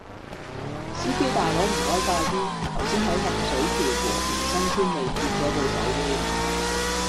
司機大佬唔該快啲，頭先喺洪水橋和平新村里跌左部手機